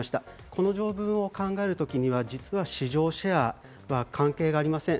この条文を考えるときには実は市場シェアは関係ありません。